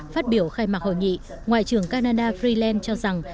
phát biểu khai mạc hội nghị ngoại trưởng canada freeland cho rằng